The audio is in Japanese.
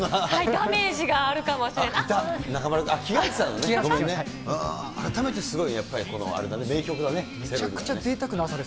ダメージがあるかもしれない。